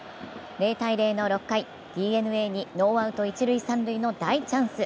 ０−０の６回、ＤｅＮＡにノーアウト、一・三塁の大チャンス。